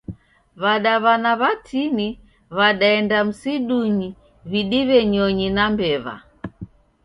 Wadawana watini wadaenda msidunyi widiwe nyonyi na mbewa